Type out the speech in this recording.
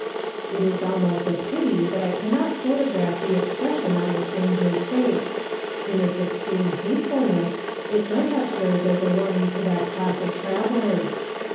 It is almost a pity that I cannot photograph the expression on the stranger's face. In its extreme hatefulness it might have served as a warning to that class of travellers.